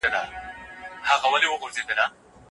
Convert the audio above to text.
پوهانو ویلي دي چې نظري ټولنپوهنه سوچه پوهه تولیدوي.